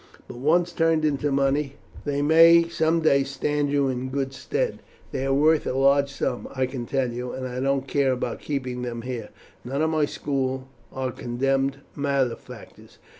But once turned into money they may some day stand you in good stead. They are worth a large sum, I can tell you, and I don't care about keeping them here. None of my school are condemned malefactors.